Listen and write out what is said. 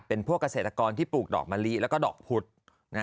เป็นพวกเกษตรกรที่ปลูกดอกมะลิแล้วก็ดอกพุธ